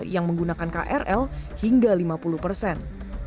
yang menggunakan krl hingga lima puluh persen